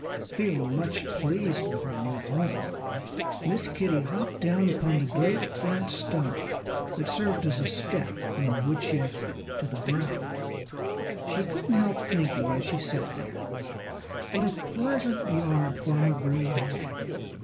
Feeling much pleased with her new home, Miss Kitty hopped down upon the great flat stone that served as a step from the woodshed to the ground. She couldn't help thinking, as she sat there, what a pleasant yard Farmer Green had.